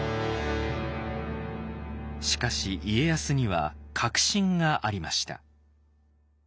しかし家康には確信がありました。